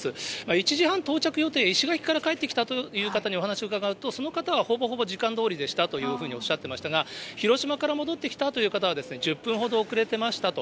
１時半到着予定、石垣から帰ってきたという方にお話を伺うと、その方はほぼほぼ時間どおりでしたというふうにおっしゃっていましたが、広島から戻ってきたという方は、１０分ほど遅れてましたと。